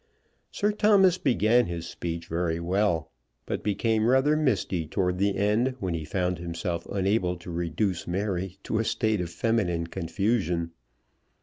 Sir Thomas began his speech very well, but became rather misty towards the end, when he found himself unable to reduce Mary to a state of feminine confusion.